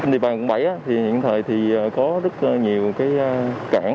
địa bàn quận bảy thì những thời thì có rất nhiều cái cản